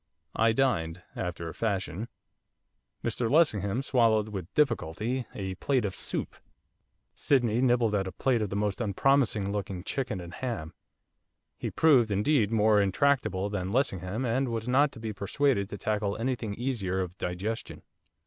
I dined, after a fashion; Mr Lessingham swallowed with difficulty, a plate of soup; Sydney nibbled at a plate of the most unpromising looking 'chicken and ham,' he proved, indeed, more intractable than Lessingham, and was not to be persuaded to tackle anything easier of digestion.